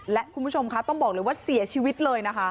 และคุณผู้ชมคะต้องบอกเลยว่าเสียชีวิตเลยนะคะ